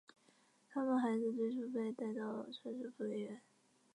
他们的孩子最初被带到城市福利院。